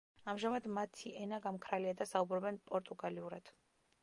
ამჟამად, მათი ენა გამქრალია და საუბრობენ პორტუგალიურად.